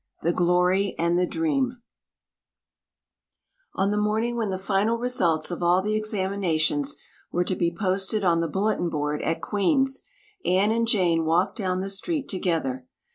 The Glory and the Dream ON the morning when the final results of all the examinations were to be posted on the bulletin board at Queen's, Anne and Jane walked down the street together.